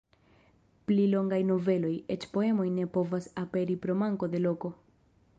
Pli longaj noveloj, eĉ poemoj ne povas aperi pro manko de loko.